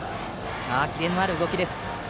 キレのある動きです。